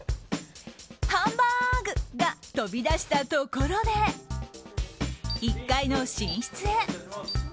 ハンバーグ！が飛び出したところで１階の寝室へ。